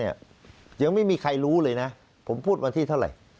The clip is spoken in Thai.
ยังไม่มีใครรู้เลยนะผมพูดวันที่เท่าไหร่